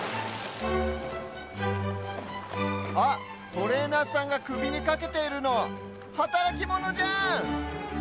あっトレーナーさんがくびにかけているのはたらきモノじゃん！